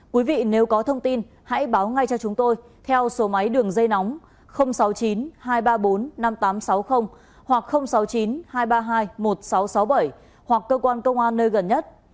quý vị nếu có thông tin hãy báo ngay cho chúng tôi theo số máy đường dây nóng sáu mươi chín hai trăm ba mươi bốn năm nghìn tám trăm sáu mươi hoặc sáu mươi chín hai trăm ba mươi hai một nghìn sáu trăm sáu mươi bảy hoặc cơ quan công an nơi gần nhất